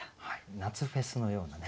夏フェスのようなね